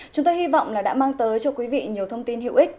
chúng tôi hy vọng là đã mang tới cho quý vị nhiều thông tin hữu ích